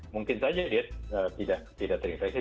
mungkin saja dia tidak terinfeksi